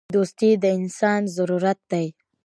• دوستي د انسان ضرورت دی.